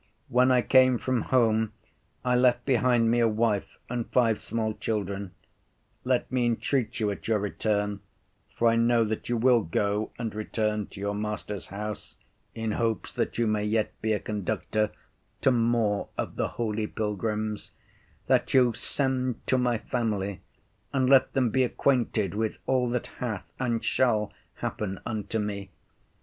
When I came from home, I left behind me a wife and five small children: let me entreat you at your return (for I know that you will go and return to your Master's house, in hopes that you may yet be a conductor to more of the holy pilgrims) that you send to my family, and let them be acquainted with all that hath and shall happen unto me.